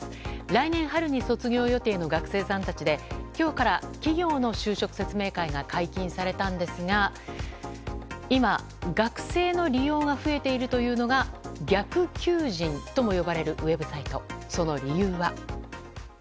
来年春に卒業予定の学生さんたちで今日から、企業の就職説明会が解禁されたんですが今、学生の利用が増えているというのが逆求人とも呼ばれるウェブサイトその理由は。